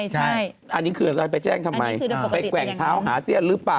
ใช่อันนี้คืออะไรไปแจ้งทำไมไปแกว่งเท้าหาเสี้ยนหรือเปล่า